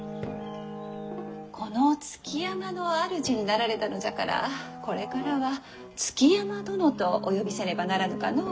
この築山の主になられたのじゃからこれからは築山殿とお呼びせねばならぬかのう。